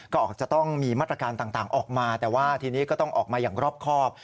ก็จะต้องมีมาตรการต่างออกมาแต่ว่าทีนี้ก็ต้องออกมาอย่างรอบครอบ